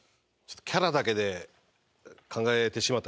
キャラだけで考えてしまった。